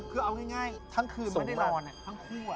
คือเอาง่ายทั้งคืนไม่ได้นอนทั้งคู่